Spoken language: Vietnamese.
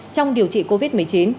trong điều trị covid một mươi chín